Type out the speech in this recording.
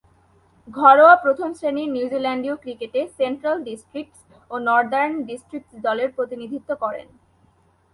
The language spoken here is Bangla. ঘরোয়া প্রথম-শ্রেণীর নিউজিল্যান্ডীয় ক্রিকেটে সেন্ট্রাল ডিস্ট্রিক্টস ও নর্দার্ন ডিস্ট্রিক্টস দলের প্রতিনিধিত্ব করেন।